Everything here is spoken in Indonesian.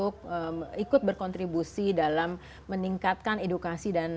kami bekerjasama dengan lebih dari enam orang